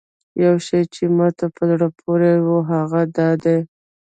یو شی چې ماته په زړه پورې و هغه دا دی.